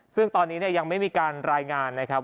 ซึ่งตอนนี้ยังไม่มีการรายงานนะครับ